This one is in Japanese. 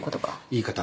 言い方。